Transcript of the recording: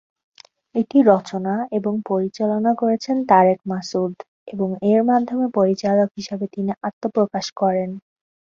এটি রচনা এবং পরিচালনা করেছেন তারেক মাসুদ, এবং এর মাধ্যমে পরিচালক হিসেবে তিনি আত্মপ্রকাশ করেন।